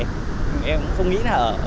em cũng không nghĩ nào